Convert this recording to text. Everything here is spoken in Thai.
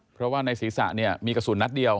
เพราะว่าในศรีษะมีกระสุนนัดเดียว